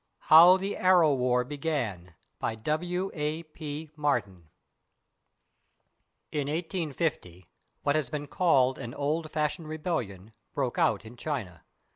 HOW THE "ARROW WAR" BEGAN BY W. A. P. MARTIN [In 1850 what has been called an "old fashioned rebellion" broke out in China.